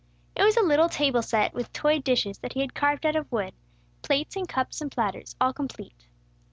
It was a little table set with toy dishes, that he had carved out of wood, plates and cups and platters, all complete.